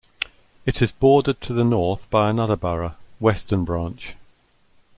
It is bordered to the north by another borough, Western Branch.